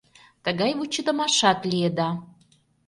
Тыгай вучыдымашат лиеда.